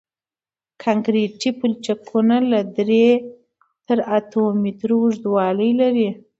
کانکریټي پلچکونه له درې تر اتو مترو اوږدوالی لري